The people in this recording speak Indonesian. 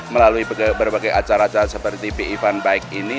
melalui berbagai acara acara seperti pi fun bike ini